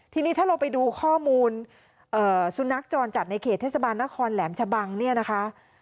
ทีนี้ถ้าเราไปดูข้อมูลสุนัขจรจัดในเขตเทศบาลนครแหลมชะบังเนี่ยนะคะ